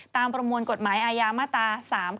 ตามประมวลกฎหมายอายามตา๓๙๗